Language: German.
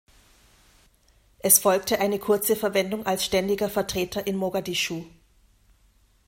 Es folgte eine kurze Verwendung als ständiger Vertreter in Mogadischu.